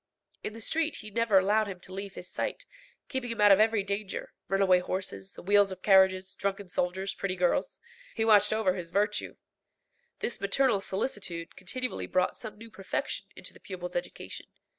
In the street he never allowed him to leave his sight, keeping him out of every danger runaway horses, the wheels of carriages, drunken soldiers, pretty girls. He watched over his virtue. This maternal solicitude continually brought some new perfection into the pupil's education.